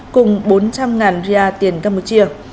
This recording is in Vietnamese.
cùng bốn trăm linh ria tiền campuchia